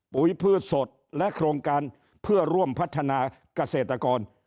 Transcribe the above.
พืชสดและโครงการเพื่อร่วมพัฒนาเกษตรกร